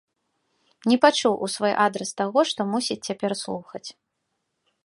Не пачуў у свой адрас таго, што мусіць цяпер слухаць.